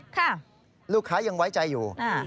ค่ะลูกค้ายังไว้ใจอยู่